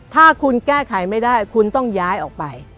ถ้าคุณแก้ไขไม่ได้คุณต้องย้ายออกไป